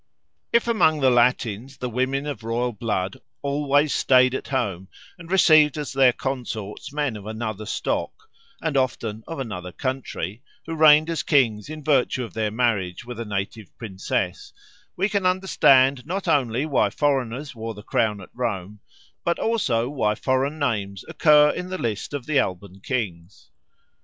If among the Latins the women of royal blood always stayed at home and received as their consorts men of another stock, and often of another country, who reigned as kings in virtue of their marriage with a native princess, we can understand not only why foreigners wore the crown at Rome, but also why foreign names occur in the list of the Alban kings.